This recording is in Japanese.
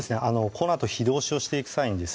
このあと火通しをしていく際にですね